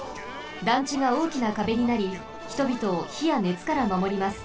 団地がおおきなかべになり人びとをひやねつからまもります。